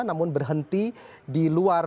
namun berhenti di luar